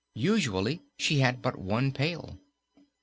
Usually she had but one pail.